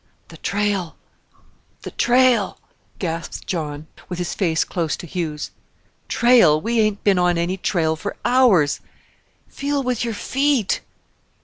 "The trail, the trail," gasped John, with his face close to Hugh's. "Trail! we ain't been on any trail for hours." "Feel with your feet!"